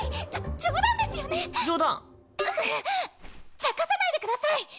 ちゃかさないでください！